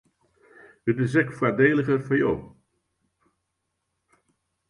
It is ek foardeliger foar jo.